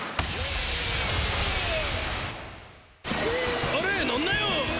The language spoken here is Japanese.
ええ？それ乗んなよ。